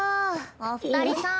お二人さん。